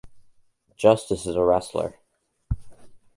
Justus is a wrestler.